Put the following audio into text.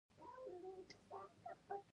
د سیوایډل او یوډین په لور پر مخ په تګ دي.